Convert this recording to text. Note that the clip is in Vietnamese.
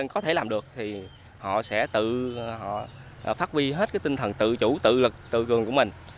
có thể làm được thì họ sẽ tự họ phát huy hết tinh thần tự chủ tự lực tự cường của mình